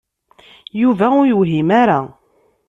Yuba ur yewhim ara.